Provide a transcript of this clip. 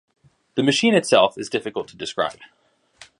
The machine itself is difficult to describe.